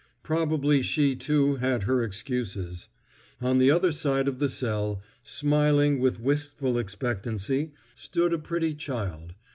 Probably she, too, had her excuses. On the other side of the cell, smiling with wistful expectancy, stood a pretty child.